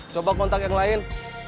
coba kontak yang lain